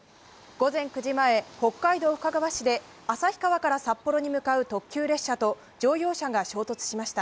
午前９時前、北海道深川市で旭川から札幌に向かう特急列車と乗用車が衝突しました。